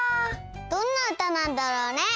どんなうたなんだろうね？